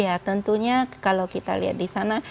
ya tentunya kalau kita lihat di sana